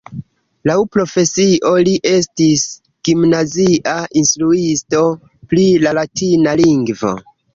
Laŭ profesio, li estis gimnazia instruisto pri la latina lingvo.